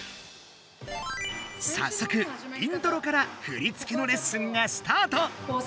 さっそくイントロから振り付けのレッスンがスタート！